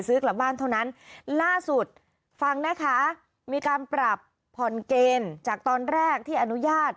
ซื้อกลับบ้านเท่านั้นล่าสุดฟังนะคะมีการปรับผ่อนเกณฑ์จากตอนแรกที่อนุญาต